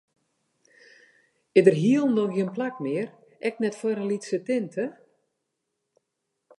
Is der hielendal gjin plak mear, ek net foar in lytse tinte?